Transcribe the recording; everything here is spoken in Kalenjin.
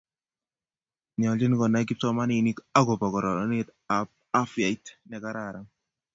nyolchin kunai kipsomaninik akobo kororintab afyait nekararan